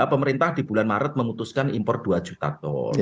pemerintah di bulan maret memutuskan impor dua juta ton